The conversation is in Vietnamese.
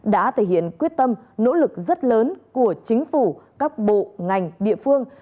đã thể hiện quyết tâm nỗ lực rất lớn của chính phủ các bộ ngành địa phương